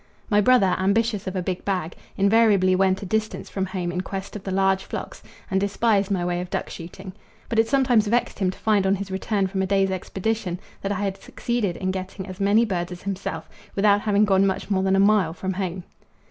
My brother, ambitious of a big bag, invariably went a distance from home in quest of the large flocks, and despised my way of duck shooting; but it sometimes vexed him to find on his return from a day's expedition that I had succeeded in getting as many birds as himself without having gone much more than a mile from home.